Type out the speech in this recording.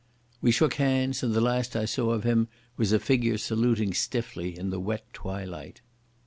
We shook hands, and the last I saw of him was a figure saluting stiffly in the wet twilight.